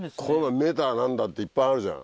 目だ何だっていっぱいあるじゃん。